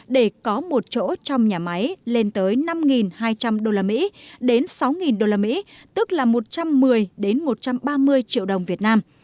để có một chỗ trong nhà máy lên tới năm hai trăm linh usd đến sáu usd tức là một trăm một mươi một trăm ba mươi triệu đồng việt nam